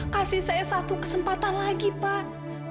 kasih saya satu kesempatan lagi pak